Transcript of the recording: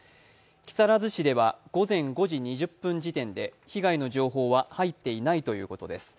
木更津市では午前５時２０分時点で被害の情報は入っていないということです。